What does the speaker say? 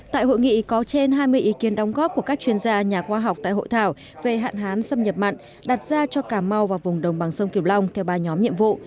tại hội nghị có trên hai mươi ý kiến đóng góp của các chuyên gia nhà khoa học tại hội thảo về hạn hán xâm nhập mặn đặt ra cho cà mau và vùng đồng bằng sông kiều long theo ba nhóm nhiệm vụ